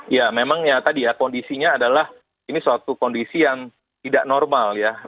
ya memang ya tadi ya kondisinya adalah ini suatu kondisi yang tidak normal ya